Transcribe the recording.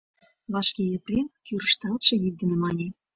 Вашке Епрем кӱрышталтше йӱк дене мане: